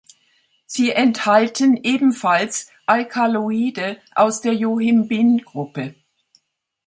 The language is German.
Sie enthalten ebenfalls Alkaloide aus der Yohimbin-Gruppe.